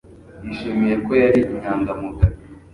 Yishimiye ko yari inyangamugayo